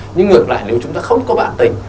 nhưng ngược lại nếu chúng ta không có bản tình